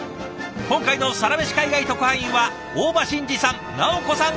今回のサラメシ海外特派員は大場新志さん